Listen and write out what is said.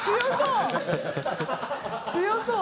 強そう。